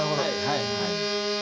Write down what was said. はいはい。